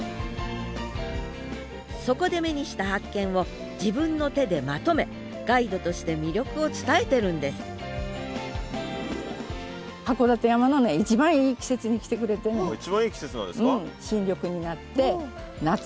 そこで目にした発見を自分の手でまとめガイドとして魅力を伝えてるんですいちばんいい季節なんですか？